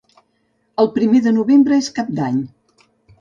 El primer de novembre és Cap d'Any.